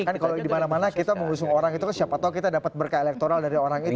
kan kalau dimana mana kita mengusung orang itu siapa tau kita dapat berkah elektoral dari orang lain